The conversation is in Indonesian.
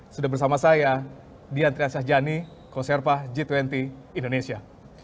sudah bersama saya dian triansyah jani koserpa g dua puluh indonesia